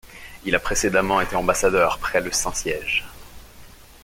Il a précédemment été ambassadeur près le Saint-Siège.